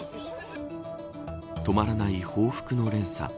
止まらない報復の連鎖。